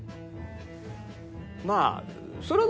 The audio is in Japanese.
まあ。